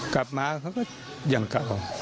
กลับมาเขาก็อย่างเก่า